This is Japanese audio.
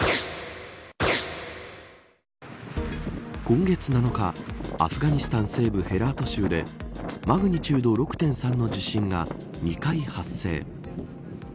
今月７日、アフガニスタン西部ヘラート州でマグニチュード６．３の地震が２回発生。